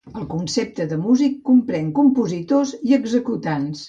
El concepte de músic comprèn compositors i executants.